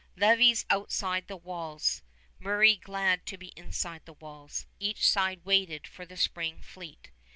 Lévis outside the walls, Murray glad to be inside the walls, each side waited for the spring fleet.